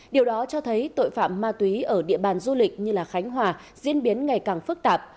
điều đó cho thấy tội phạm ma túy ở địa bàn du lịch như khánh hòa diễn biến ngày càng phức tạp